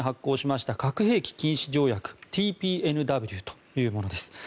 去年１月に発効しました核兵器禁止条約・ＴＰＮＷというものです。